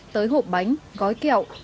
tới hộp bánh gói kẹo